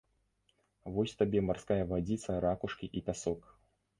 Вось табе марская вадзіца, ракушкі і пясок.